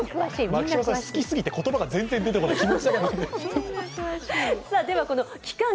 牧嶋さん、好きすぎて、言葉が全然出てこない。